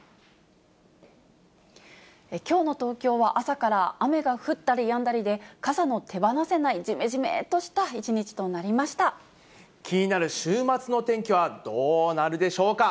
きょうの東京は朝から雨が降ったりやんだりで、傘の手放せない、じめじめっとした一日となり気になる週末の天気はどうなるでしょうか。